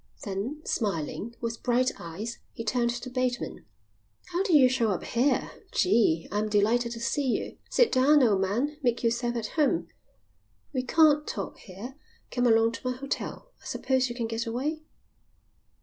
Then, smiling, with bright eyes, he turned to Bateman. "How did you show up here? Gee, I am delighted to see you. Sit down, old man. Make yourself at home." "We can't talk here. Come along to my hotel. I suppose you can get away?"